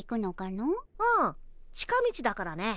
うん近道だからね。